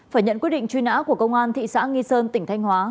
phải nhận quyết định truy nã của công an thị xã nghi sơn tỉnh thanh hóa